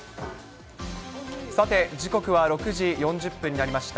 さて、時刻は６時４０分になりました。